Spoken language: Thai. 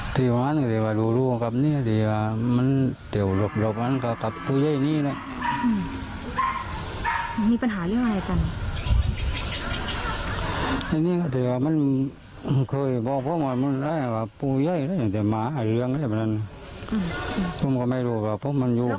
แต่ว่ามันเคยบอกว่ามันได้ว่าปูเย้ยได้อย่างเดียวมาหาเรื่องก็ได้แบบนั้นผมก็ไม่รู้ว่าผมมันอยู่กัน